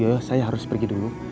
oh iya saya harus pergi dulu